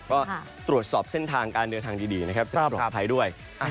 ก็ตรวจสอบเส้นทางการเดินทางดีนะครับจะปลอดภัยด้วย